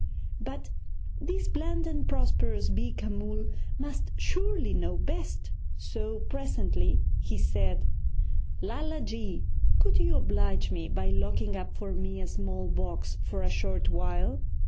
But this bland and prosperous Beeka Mull must surely know best, so presently he said: 'Lala ji, could you oblige me by locking up for me a small box for a short while?